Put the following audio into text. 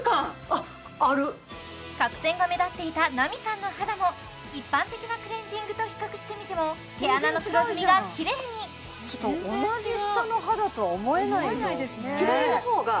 あっある角栓が目立っていたなみさんの肌も一般的なクレンジングと比較してみても毛穴の黒ずみがキレイに同じ人の肌とは思えないよ